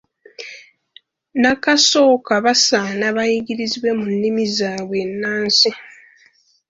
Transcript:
Nnakasooka basaana bayigiririzibwe mu nnimi zaabwe ennansi.